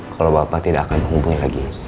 kalau bapak tidak akan menghubungi lagi